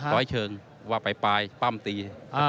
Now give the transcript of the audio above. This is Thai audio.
ร้อยเชิงว่าปลายปั้มตี